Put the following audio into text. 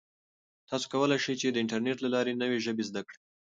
تاسو کولای شئ چې د انټرنیټ له لارې نوې ژبې زده کړئ.